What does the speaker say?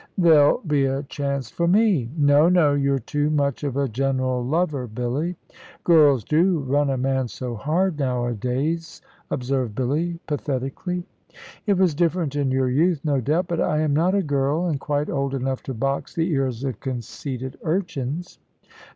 "There'll be a chance for me." "No, no! You're too much of a general lover, Billy." "Girls do run a man so hard, nowadays," observed Billy, pathetically. "It was different in your youth, no doubt. But I am not a girl, and quite old enough to box the ears of conceited urchins."